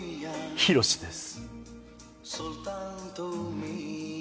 ヒロシです。